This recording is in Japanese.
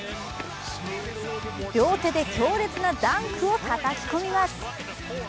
両手で強烈なダンクをたたき込みます。